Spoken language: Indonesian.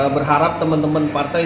berharap teman teman partai